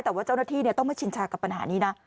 แต่ว่าเจ้าหน้าที่ต้องไม่ชินชากับปัญหานี้นะ